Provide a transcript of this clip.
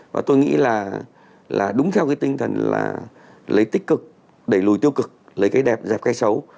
và tôi nghĩ là đúng theo cái tinh thần là lấy tích cực đẩy lùi tiêu cực lấy cái đẹp dẹp cái xấu